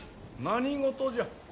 何事じゃ？